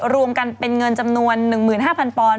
รวมกันเป็นเงินจำนวน๑๕๐๐ปอนด